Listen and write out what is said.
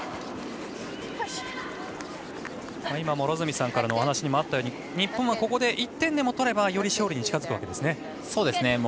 両角さんからのお話にもあったように日本はここで１点でも取ればより勝利に近づくわけですね。